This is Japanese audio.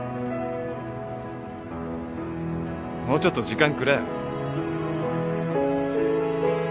もうちょっと時間くれよ。